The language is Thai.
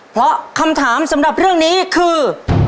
เพราะคำถามสำหรับเรื่องนี้คือ